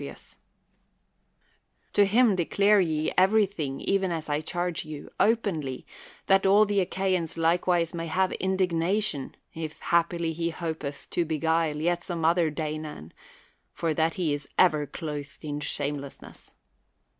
THE WORLD'S FAMOUS ORATIONS To him declare ye everything even as I charge you, openly, that all the Achaians likewise may have indignation, if happily he hopeth to begni!.' yet some otb.er Danaan, for that he is over clothed in shanielessness.